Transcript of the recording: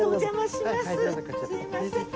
すいません。